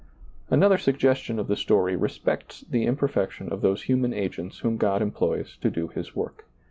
Another suggestion of the story respects the imperfection of those human agents whom God employs to do His work.